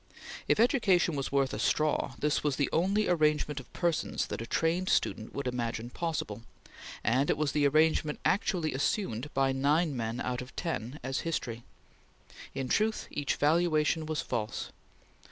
If education was worth a straw, this was the only arrangement of persons that a trained student would imagine possible, and it was the arrangement actually assumed by nine men out of ten, as history. In truth, each valuation was false.